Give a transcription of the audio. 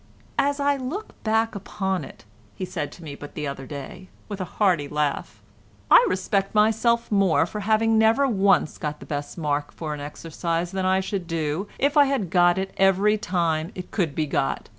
"As I look back upon it," he said to me but the other day, with a hearty laugh, "I respect myself more for having never once got the best mark for an exercise than I should do if I had got it every time it could be got.